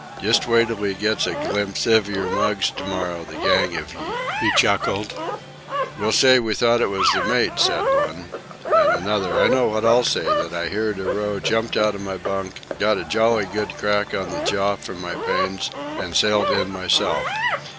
"Just wait till he gets a glimpse iv yer mugs to morrow, the gang iv ye," he chuckled. "We'll say we thought it was the mate," said one. And another, "I know what I'll say—that I heered a row, jumped out of my bunk, got a jolly good crack on the jaw for my pains, and sailed in myself.